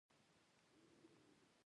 هند حکومت خوشاله کړي.